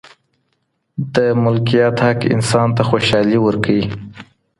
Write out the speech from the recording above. د ملکیت حق انسان ته خوشحالي ورکوي.